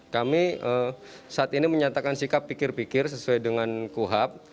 kami saat ini menyatakan sikap pikir pikir sesuai dengan kuhap